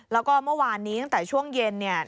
แล้วก็เมื่อวานนี้ตั้งแต่ช่วงเย็นเนี่ย